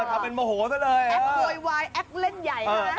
แอบโดยวายแอบเล่นใหญ่นะ